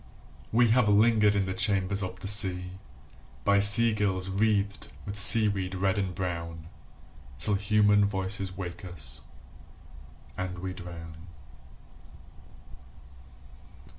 We have lingered in the chambers of the sea By sea girls wreathed with seaweed red and brown Till human voices wake us, and we drown.